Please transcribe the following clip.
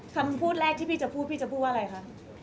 คำพูดแรกที่พี่จะพูดพี่จะพูดว่าอะไรคะ